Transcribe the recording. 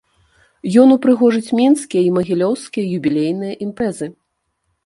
Ён упрыгожыць менскія й магілёўскія юбілейныя імпрэзы.